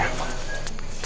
kutung ke para baiknya